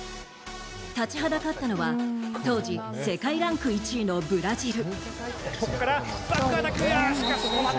立ちはだかったのは当時世界ランク１位のブラジル。